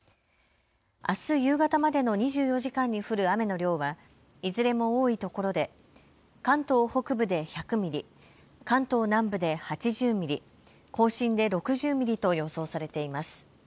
あす夕方までの２４時間に降る雨の量はいずれも多いところで関東北部で１００ミリ、関東南部で８０ミリ、甲信で６０ミリと予想されています。